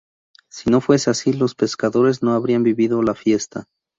Si no fuese así, los pescadores no habrían vivido la fiesta.